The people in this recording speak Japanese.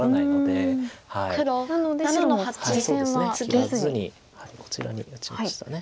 切らずにこちらに打ちました。